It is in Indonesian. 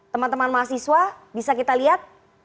teman teman mahasiswa bisa kita lihat